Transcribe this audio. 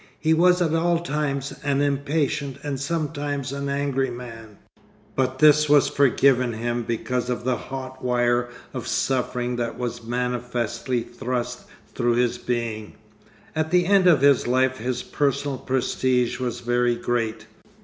He was at all times an impatient and sometimes an angry man, but this was forgiven him because of the hot wire of suffering that was manifestly thrust through his being. At the end of his life his personal prestige was very great.